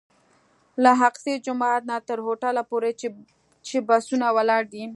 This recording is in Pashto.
له اقصی جومات نه تر هوټل پورې چې بسونه ولاړ دي.